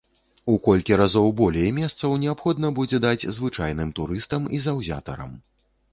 У колькі разоў болей месцаў неабходна будзе даць звычайным турыстам і заўзятарам.